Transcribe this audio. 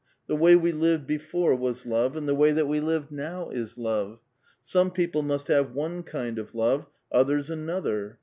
The way we lived before was love, and the way that we live now is love ; some people must have one kind of love, others another.